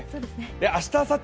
明日あさって